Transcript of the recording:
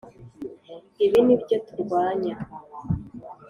ibi nibyo turwanya.